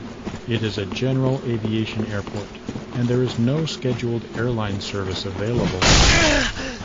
It is a general aviation airport and there is no scheduled airline service available.